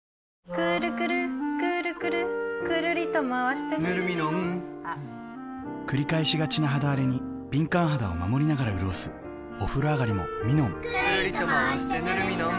くるくるくるくるぬるミノンくるりとまわしてぬるミノン繰り返しがちな肌あれに敏感肌を守りながらうるおすお風呂あがりもミノンくるりとまわしてぬるミノン